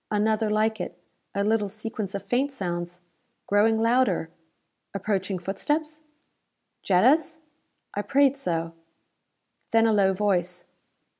Another like it; a little sequence of faint sounds. Growing louder. Approaching footsteps? Jetta's? I prayed so. Then a low voice.